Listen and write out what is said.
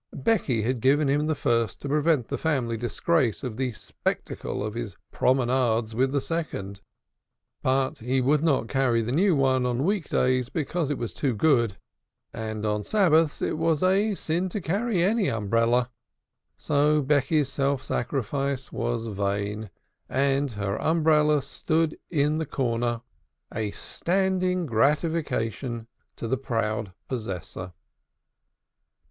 Becky had given him the first to prevent the family disgrace of the spectacle of his promenades with the second. But he would not carry the new one on week days because it was too good. And on Sabbaths it is a sin to carry any umbrella. So Becky's self sacrifice was vain, and her umbrella stood in the corner, a standing gratification to the proud possessor.